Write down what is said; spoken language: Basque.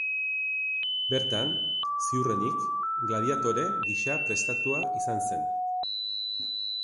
Bertan, ziurrenik, gladiatore gisa prestatua izan zen.